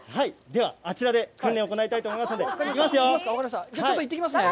では、あちらで訓練を行いたいと思いますので、行きますよ。